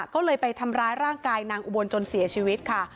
ก็เลยไปทำร้ายร่างกายนางอุบลจนเสียชีวิตค่ะ